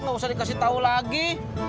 gak usah dikasih tahu lagi